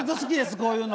こういうの。